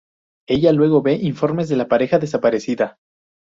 Ella luego ve informes de la pareja desaparecida.